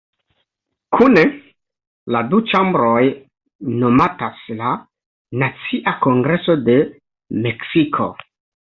Kune la du ĉambroj nomatas la "Nacia Kongreso de Meksiko".